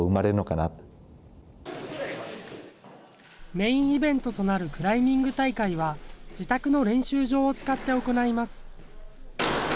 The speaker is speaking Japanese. メインイベントとなるクライミング大会は、自宅の練習場を使って行います。